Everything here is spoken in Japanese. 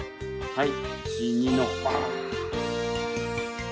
はい。